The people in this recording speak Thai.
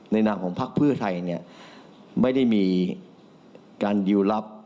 ในหนังของภาคเพื่อไทยเนี่ยไม่ได้มีการดีลลับ